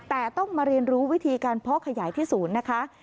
แต่ต้องมาเรียนรู้วิธีการเพาะขยายที่ศูนย์นะคะ